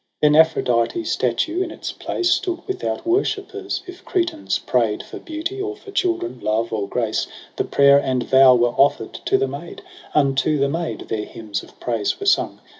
8 Then Aphrodite's statue in its place Stood without worshippers ; if Cretans pray'd For beauty or for children, love or grace. The prayer and vow were ofFer'd to the maid j Unto the maid their hymns of praise were sung.